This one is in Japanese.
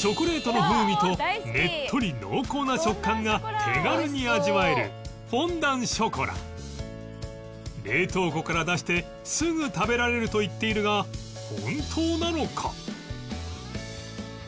チョコレートの風味とねっとり濃厚な食感が手軽に味わえる冷凍庫から出してすぐ食べられると言っているが本当なのか？